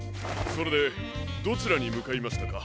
それでどちらにむかいましたか？